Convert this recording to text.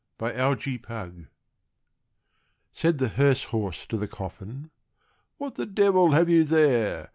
THE HEARSE HORSE. Said the hearse horse to the coffin, "What the devil have you there?